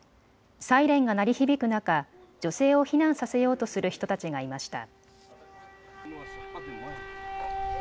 サイレンが鳴り響く中、女性を避難させようとする人たちがいました。